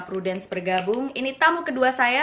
prudence bergabung ini tamu kedua saya